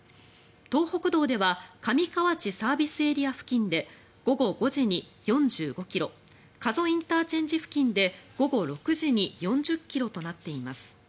東北道では、上河内ＳＡ付近で午後５時に４５ｋｍ加須ＩＣ付近で午後６時に４０ｋｍとなっています。